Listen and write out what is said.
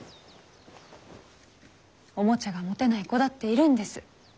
おもちゃが持てない子だっているんです。